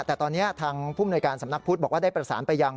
แต่ตอนนี้ทางผู้มนวยการสำนักพุทธบอกว่าได้ประสานไปยัง